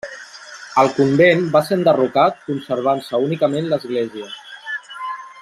El convent va ser enderrocat conservant-se únicament l'església.